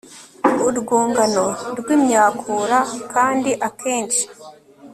urwungano rwimyakura kandi akenshi